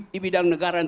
di bidang negara